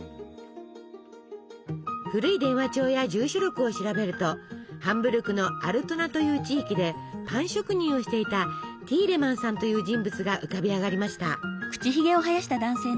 古い電話帳や住所録を調べるとハンブルクのアルトナという地域でパン職人をしていたティーレマンさんという人物が浮かび上がりました。